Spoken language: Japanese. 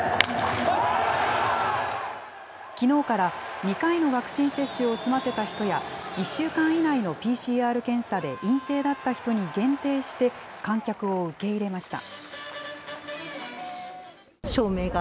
きのうから、２回のワクチン接種を済ませた人や、１週間以内のＰＣＲ検査で陰性だった人に限定して、観客を受け入れました。